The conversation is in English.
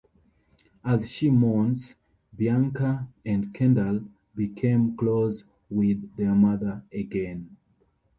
As she mourns, Bianca and Kendall become close with their mother again.